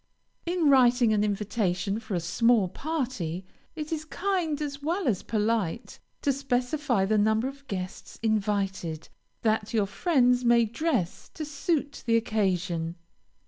In writing an invitation for a small party, it is kind, as well as polite, to specify the number of guests invited, that your friends may dress to suit the occasion.